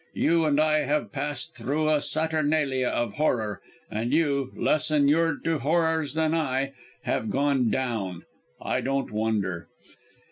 You and I have passed through a saturnalia of horror, and you, less inured to horrors than I, have gone down. I don't wonder."